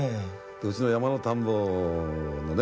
うちの山の田んぼのね